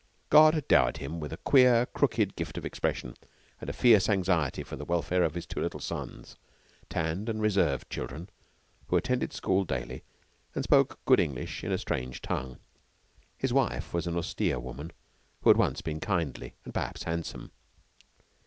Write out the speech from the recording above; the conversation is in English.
God had dowered him with a queer, crooked gift of expression and a fierce anxiety for the welfare of his two little sons tanned and reserved children, who attended school daily and spoke good English in a strange tongue. His wife was an austere woman, who had once been kindly, and perhaps handsome.